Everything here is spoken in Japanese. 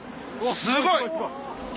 すごい。